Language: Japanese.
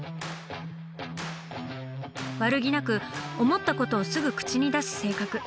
悪気なく思ったことをすぐ口に出す性格。